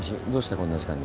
こんな時間に。